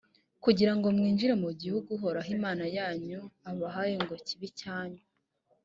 kugira ngo mwinjire mu gihugu, uhoraho, imana yanyu, abahaye ngo kibe icyanyu.